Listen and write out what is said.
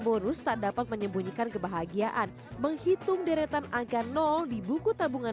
bonus tak dapat menyembunyikan kebahagiaan menghitung deretan angka di buku tabungan